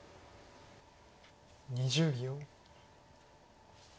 ２０秒。